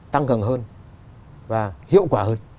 tăng gần hơn và hiệu quả hơn